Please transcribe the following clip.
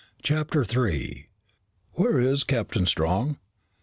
CHAPTER 3 "Where is Captain Strong?"